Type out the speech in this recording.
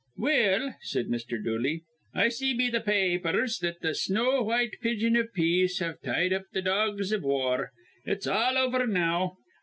"Well," said Mr. Dooley, "I see be th' pa apers that th' snow white pigeon iv peace have tied up th' dogs iv war. It's all over now.